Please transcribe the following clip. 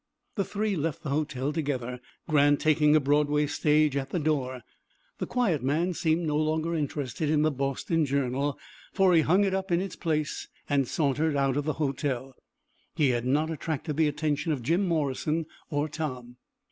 The three left the hotel together, Grant taking a Broadway stage at the door. The quiet man seemed no longer interested in the Boston Journal, for he hung it up in its place, and sauntered out of the hotel. He had not attracted the attention of Jim Morrison or Tom.